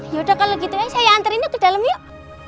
yaudah kalau gitu ya saya antarin dia ke dalam yuk